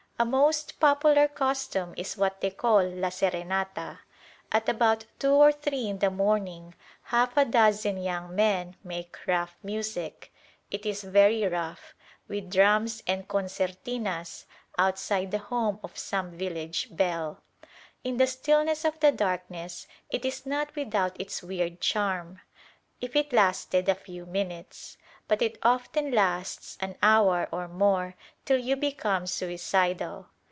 A most popular custom is what they call la serenata. At about two or three in the morning half a dozen young men make "rough music" (it is very rough) with drums and concertinas outside the home of some village belle. In the stillness of the darkness it is not without its weird charm, if it lasted a few minutes. But it often lasts an hour or more till you become suicidal.